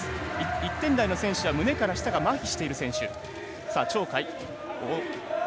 １点台の選手は胸から下がまひしている選手。